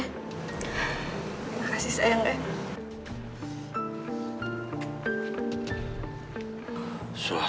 terima kasih sayang